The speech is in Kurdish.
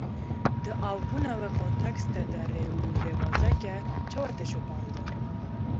Di avabûna vê kontekstê de rê û rêbazeke çawa tê şopandin?